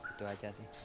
itu aja sih